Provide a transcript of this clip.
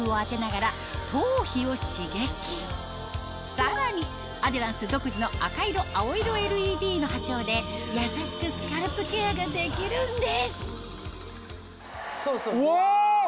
さらにアデランス独自の赤色青色ＬＥＤの波長で優しくスカルプケアができるんですうわ！